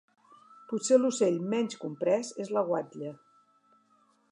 Potser l'ocell menys comprès és la guatlla.